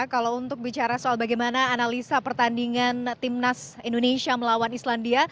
kalau untuk bicara soal bagaimana analisa pertandingan timnas indonesia melawan islandia